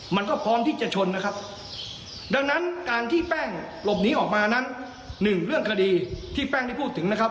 มันก็พร้อมที่จะชนนะครับดังนั้นการที่แป้งหลบหนีออกมานั้นหนึ่งเรื่องคดีที่แป้งได้พูดถึงนะครับ